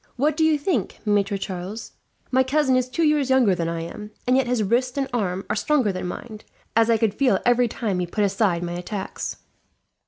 "What do you think, Maitre Charles? My cousin is two years younger than I am, and yet his wrist and arm are stronger than mine, as I could feel every time he put aside my attacks."